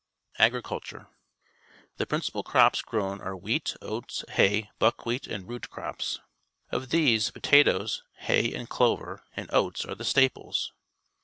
Agriculture. — The principal crops grown are wheat, oats, hay, buckwhe at, and root crops. Of the.se, potatoes, hay and clover, and oats are the staples.